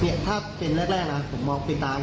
นี่ถ้าเป็นแรกนะหมอปิดตา